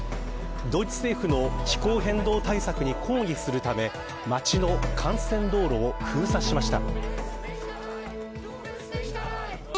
ドイツ政府の気候変動対策に抗議するため街の幹線道路を封鎖しました。